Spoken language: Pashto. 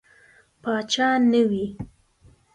پاچا نه وي.